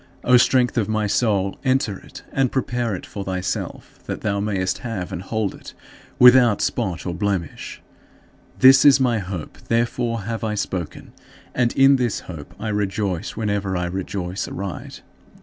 O Strength of my soul, enter it and prepare it for thyself that thou mayest have and hold it, without "spot or blemish." This is my hope, therefore have I spoken; and in this hope I rejoice whenever I rejoice aright.